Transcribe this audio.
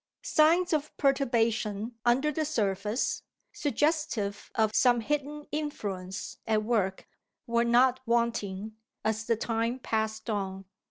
Signs of perturbation under the surface, suggestive of some hidden influence at work, were not wanting, as the time passed on.